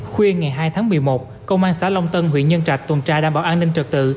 khuya ngày hai tháng một mươi một công an xã long tân huyện nhân trạch tuần tra đảm bảo an ninh trật tự